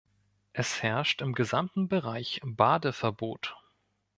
Es herrscht im gesamten Bereich Badeverbot.